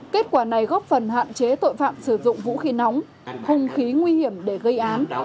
kết quả này góp phần hạn chế tội phạm sử dụng vũ khí nóng hung khí nguy hiểm để gây án